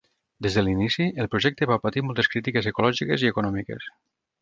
Des de l'inici, el projecte va patir moltes crítiques ecològiques i econòmiques.